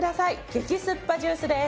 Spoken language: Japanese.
激酸っぱジュースです。